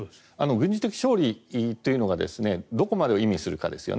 軍事的勝利というのがどこまでを意味するかですね。